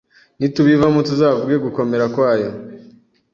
nitubivamo tuzavuge gukomera kwayo